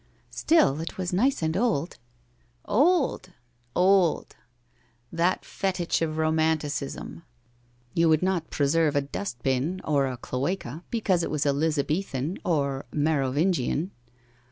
* Still it was nice and old.' ' Old ! Old ! That fetich of romanticism ! You would not preserve a dust bin, or a cloaca, because it was Eliza bethan, or Merovingian.